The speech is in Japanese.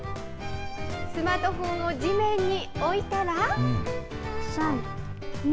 スマートフォンを地面に置いたら、３、２、１。